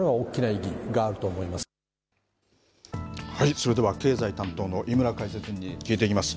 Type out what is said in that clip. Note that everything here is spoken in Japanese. それでは経済担当の井村解説委員に聞いていきます。